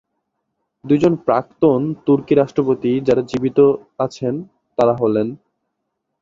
দুইজন প্রাক্তন তুর্কি রাষ্ট্রপতি যারা জীবিত আছেন, তাঁরা হলেন,